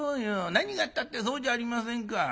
何がったってそうじゃありませんか。